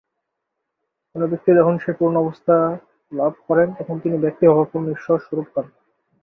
কোন ব্যক্তি যখন সেই পূর্ণ অবস্থা লাভ করেন, তখন তিনি ব্যক্তিভাবাপন্ন ঈশ্বর-স্বরূপ হন।